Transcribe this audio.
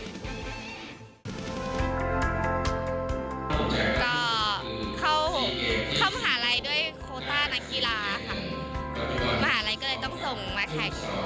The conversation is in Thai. ก็เข้ามหาลัยด้วยโคต้านักกีฬาค่ะมหาลัยก็เลยต้องส่งมาแท็ก